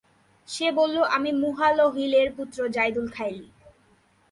সে বলল, আমি মুহালহিলের পুত্র যাইদুল খাইল।